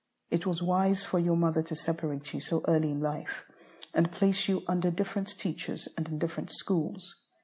It was wise for your mother to separate you so early in life, and place you under different teachers, and in different schools.